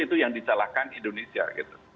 itu yang disalahkan indonesia gitu